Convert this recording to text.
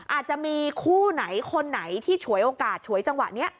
อาจจะมีคู่ไหนคนไหนที่ฉวยโอกาสฉวยจังหวะนี้